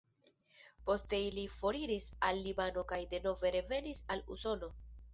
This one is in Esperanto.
Poste ili foriris al Libano kaj denove revenis al Usono.